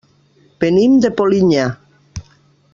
Venim de Polinyà.